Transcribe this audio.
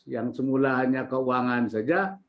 yang semula hanya keuangan saja